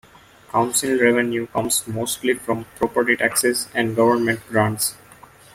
Council revenue comes mostly from property taxes and government grants.